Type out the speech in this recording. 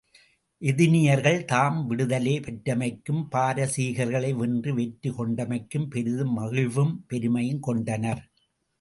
எதினியர்கள் தாம் விடுதலே பெற்றமைக்கும், பாரசீகர்களை வென்று வெற்றி கொண்டமைக்கும், பெரிதும் மகிழ்வும் பெருமையும் கொண்டனர்.